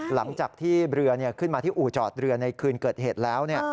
หลังจากที่เรือขึ้นมาที่อู่จอดเรือในคืนเกิดเหตุแล้ว